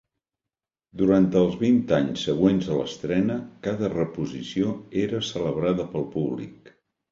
Durant els vint anys següents a l'estrena cada reposició era celebrada pel públic.